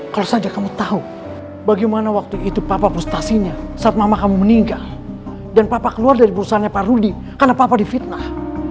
kalau saja kamu tahu bagaimana waktu itu papa frustasinya saat mama kamu meninggal dan papa keluar dari perusahaannya pak rudi karena papa difitnah